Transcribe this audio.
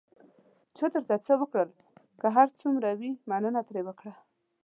چا درته څه وکړل، که هر څومره وي، مننه ترې وکړه.